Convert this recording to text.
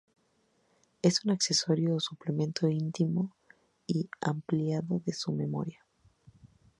Es un accesorio o suplemento íntimo y ampliado de su memoria".